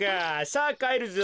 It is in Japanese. さあかえるぞ。